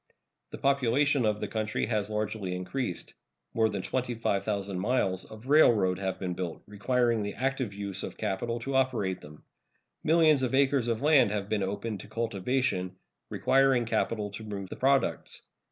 The population of the country has largely increased. More than 25,000 miles of railroad have been built, requiring the active use of capital to operate them. Millions of acres of land have been opened to cultivation, requiring capital to move the products.